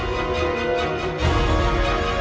tante itu sudah berubah